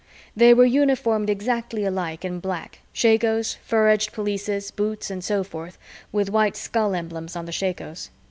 They were uniformed exactly alike in black shakos, fur edged pelisses, boots, and so forth with white skull emblems on the shakos.